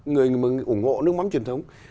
người ủng hộ nước mắm truyền thống